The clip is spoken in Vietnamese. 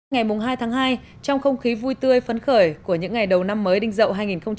ngày hai tháng hai trong không khí vui tươi phấn khởi của những ngày đầu năm mới đinh dậu hai nghìn hai mươi